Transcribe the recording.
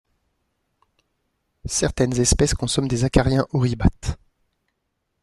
Certaines espèces consomment des acariens oribates.